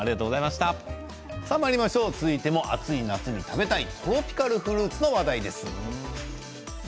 暑い夏に食べたいトロピカルフルーツの話題です。